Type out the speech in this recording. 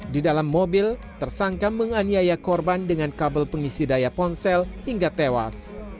di dalam mobil tersangka menganiaya korban dengan kabel pengisi daya ponsel hingga tewas